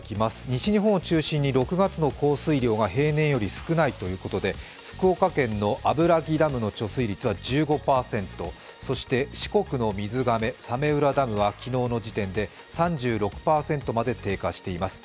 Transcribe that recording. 西日本を中心に６月の降水量が平年より少ないということで福岡県の油木ダムの貯水率は１５％、四国の水がめ、早明浦ダムは昨日の時点で３６％まで低下しています。